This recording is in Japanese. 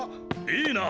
⁉いいな！